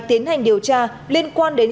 tiến hành điều tra liên quan đến